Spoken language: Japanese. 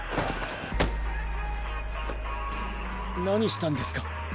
何したんですか？